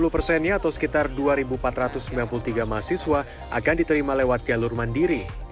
lima puluh persennya atau sekitar dua empat ratus sembilan puluh tiga mahasiswa akan diterima lewat jalur mandiri